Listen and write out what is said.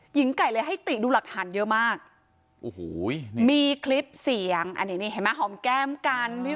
หญิงไก่เลยให้ติดูหลักฐานเยอะมากโอ้โหนี่มีคลิปเสียงอันนี้นี่เห็นไหมหอมแก้มกัน